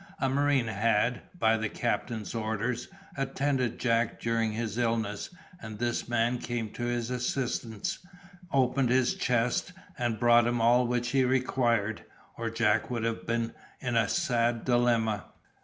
A marine had, by the captain's orders, attended Jack during his illness, and this man came to his assistance, opened his chest, and brought him all which he required, or Jack would have been in a sad dilemma.